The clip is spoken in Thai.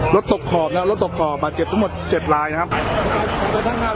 รถตกขอบนะรถตกขอบอาจเจ็บทั้งหมดเจ็บร้ายนะครับ